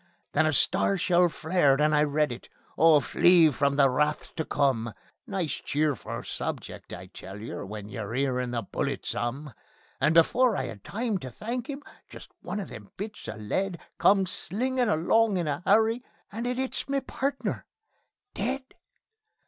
Then a star shell flared, and I read it: Oh, Flee From the Wrath to Come! Nice cheerful subject, I tell yer, when you're 'earin' the bullets 'um. And before I 'ad time to thank 'im, just one of them bits of lead Comes slingin' along in a 'urry, and it 'its my partner. ... Dead?